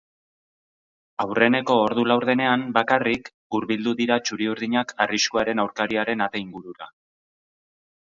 Aurreneko ordu laurdenean, bakarrik, hurbildu dira txuri-urdinak arriskuarekin aurkariaren ate ingurura.